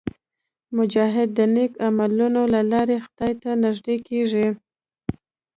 مجاهد د نیک عملونو له لارې خدای ته نږدې کېږي.